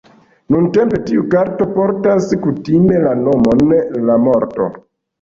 Nuntempe tiu karto portas kutime la nomon "La Morto".